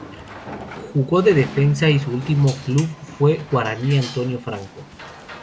Jugó de defensa y su último club fue Guaraní Antonio Franco.